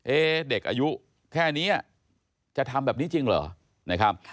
เอ๊ะเด็กอายุแค่นี้จะทำแบบนี้จริงเหรอ